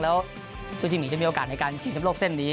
แล้วซูชิมีจะมีโอกาสในการชิงชำโลกเส้นนี้